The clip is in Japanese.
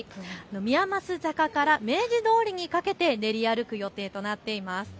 宮益坂から明治通りにかけて練り歩く予定となっています。